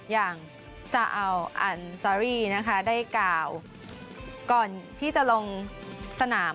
อย่างซาอัลอันซารี่นะคะได้กล่าวก่อนที่จะลงสนาม